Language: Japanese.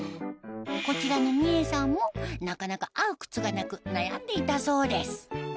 こちらの実英さんもなかなか合う靴がなく悩んでいたそうです